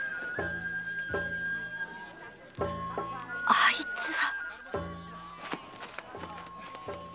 あいつは！